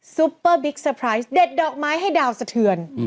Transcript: ซุปเปอร์บิ๊กเซอร์ไพรส์เด็ดดอกไม้ให้ดาวสะเทือน